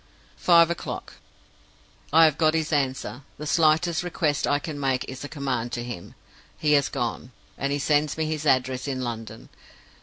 "Five o'clock. I have got his answer. The slightest request I can make is a command to him. He has gone; and he sends me his address in London.